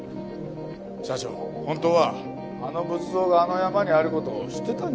社長本当はあの仏像があの山にある事を知ってたんじゃないですか？